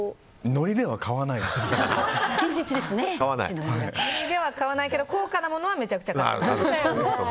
ノリでは買わないけど高価なものはめちゃくちゃ買うと。